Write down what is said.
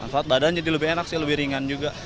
manfaat badan jadi lebih enak sih lebih ringan juga